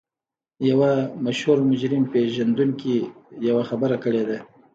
یوه مشهور مجرم پېژندونکي یوه خبره کړې ده